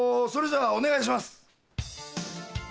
それじゃあお願いします。